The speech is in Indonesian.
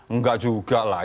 enggak juga lah